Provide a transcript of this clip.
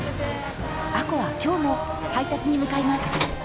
亜子は今日も配達に向かいます